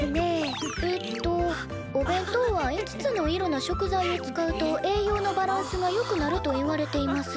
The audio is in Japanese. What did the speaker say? えっと「お弁当は５つの色の食材を使うと栄養のバランスがよくなるといわれています。